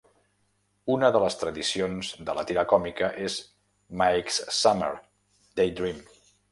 Una de les tradicions de la tira cómica és Mike's Summer Daydream.